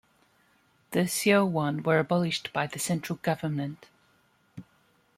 The seowon were abolished by the central government.